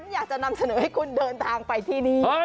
อยากจะนำเสนอให้คุณเดินทางไปที่นี่